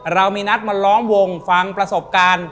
เรามีนัดมาล้อมวงฟังประสบการณ์